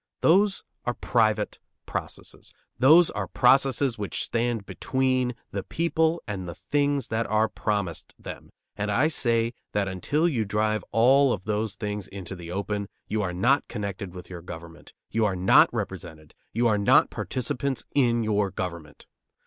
Those are private processes. Those are processes which stand between the people and the things that are promised them, and I say that until you drive all of those things into the open, you are not connected with your government; you are not represented; you are not participants in your government.